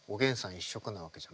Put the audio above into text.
一色なわけじゃない？